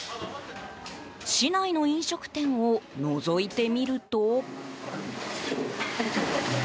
市内の飲食店をのぞいてみると。